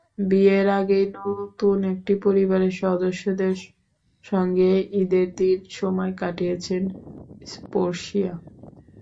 বিয়ের আগেই নতুন একটি পরিবারের সদস্যদের সঙ্গে ঈদের দিন সময় কাটিয়েছেন স্পর্শিয়া।